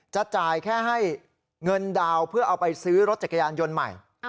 จะจ่ายแค่ให้เงินดาวน์เพื่อเอาไปซื้อรถจักรยานยนต์ใหม่